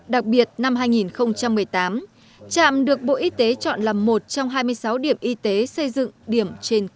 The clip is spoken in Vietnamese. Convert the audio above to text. đặc biệt năm hai nghìn một mươi tám trạm được bộ y tế chọn là một trong hai mươi sáu điểm y tế xây dựng điểm trên cả nước